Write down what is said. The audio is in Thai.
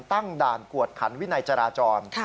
ตั้งด่านกวดขันวินัยจราจร